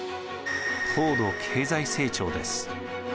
高度経済成長です。